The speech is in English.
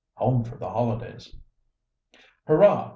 HOME FOR THE HOLIDAYS. "Hurrah!